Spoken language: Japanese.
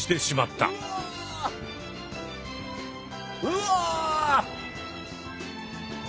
うわ！